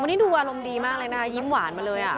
วันนี้ดูอารมณ์ดีมากเลยนะคะยิ้มหวานมาเลย